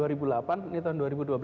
ini tahun dua ribu dua belas